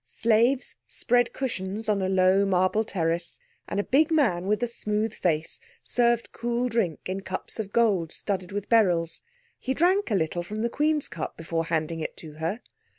Slaves spread cushions on a low, marble terrace, and a big man with a smooth face served cool drink in cups of gold studded with beryls. He drank a little from the Queen's cup before handing it to her.